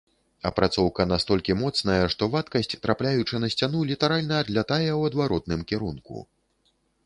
Апрацоўка настолькі моцная, што вадкасць, трапляючы на сцяну, літаральна адлятае ў адваротным кірунку.